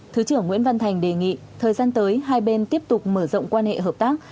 thứ trưởng nguyễn văn thành đề nghị thời gian tới hai bên tiếp tục mở rộng quan hệ hợp tác